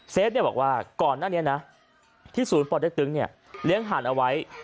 เซฟบอกว่าก่อนนั้นเนี่ยนะที่ศูนย์ภอดเต็กตึงเนี่ยเลี้ยงหันอไว้